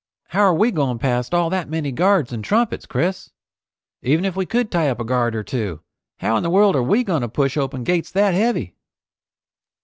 "How are we going past all that many guards and trumpets, Chris? Even if we could tie up a guard or two, how in the world we going to push open gates that heavy?"